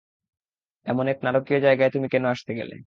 এমন এক নারকীয় জায়গায় তুমি কেন আসতে গেলে?